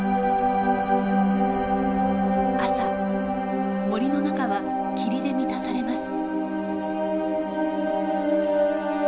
朝森の中は霧で満たされます。